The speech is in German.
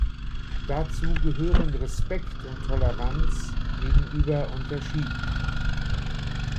Dazu gehören Respekt und Toleranz gegenüber Unterschieden.